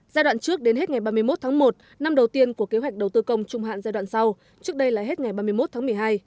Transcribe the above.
giai đoạn trước đến hết ngày ba mươi một tháng một năm đầu tiên của kế hoạch đầu tư công trung hạn giai đoạn sau trước đây là hết ngày ba mươi một tháng một mươi hai